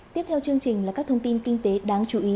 tiếp theo chương trình là các thông tin kinh tế đáng chú ý